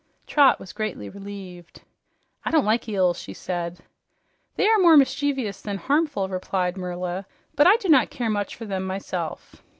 Trot was greatly relieved. "I don't like eels," she said. "They are more mischievous than harmful," replied Merla, "but I do not care much for them myself."